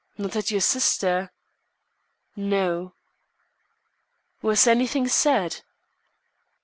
"Not at your sister?" "No." "Was anything said?"